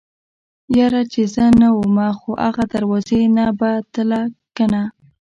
يره چې زه نه ومه خو اغه دروازې نه به تله کنه.